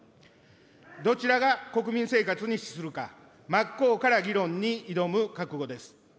どちらが国民生活に資するか、真っ向から議論に挑む覚悟です。